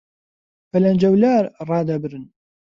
بەلەنجەولار ڕادەبرن